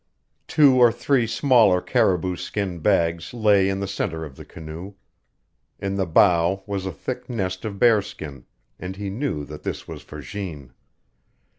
Two or three smaller caribou skin bags lay in the center of the canoe. In the bow was a thick nest of bearskin, and he knew that this was for Jeanne.